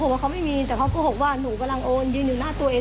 ว่าอะไรนะเดี๋ยวให้เองแล้งไม่พูดเยอะ